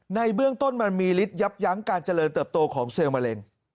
ในเบื้องต้นมันมีฤทธิยับยั้งการเจริญเติบโตของเซลล์มะเร็ง